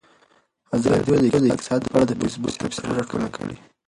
ازادي راډیو د اقتصاد په اړه د فیسبوک تبصرې راټولې کړي.